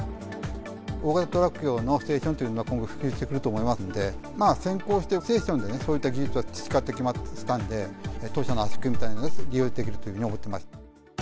大型トラック用のステーションというのが今後、普及してくると思いますので、先行してステーションで、そういった技術は培ってきましたんで、当社の圧縮技術が利用できるというふうに思ってます。